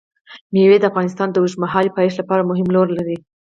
مېوې د افغانستان د اوږدمهاله پایښت لپاره مهم رول لري.